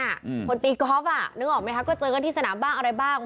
คนตีกอล์ฟอ่ะนึกออกไหมคะก็เจอกันที่สนามบ้างอะไรบ้าง